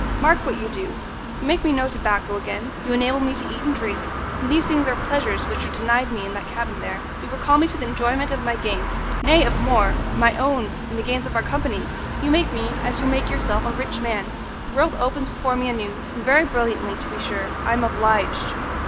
Mark what you do: you make me know tobacco again, you enable me to eat and drink, and these things are pleasures which were denied me in that cabin there. You recall me to the enjoyment of my gains, nay, of more of my own and the gains of our company. You make me, as you make yourself, a rich man; the world opens before me anew, and very brilliantly to be sure, I am obliged."